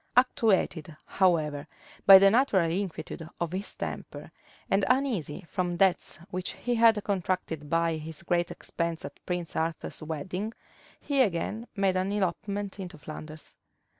Actuated, however, by the natural inquietude of his temper and uneasy from debts which he had contracted by his great expense at Prince Arthur's wedding, he again made an elopement into Flanders.